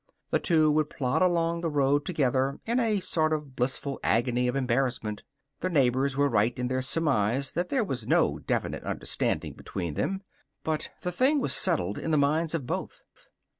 The two would plod along the road together in a sort of blissful agony of embarrassment. The neighbors were right in their surmise that there was no definite understanding between them. But the thing was settled in the minds of both.